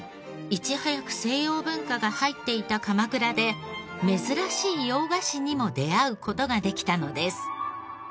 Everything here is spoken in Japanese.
いち早く西洋文化が入っていた鎌倉で珍しい洋菓子にも出会う事ができたのです。